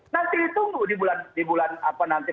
nanti ditunggu di bulan apa nanti